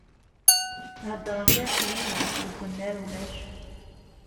Heddren kan s yimi, deg unnar ulac!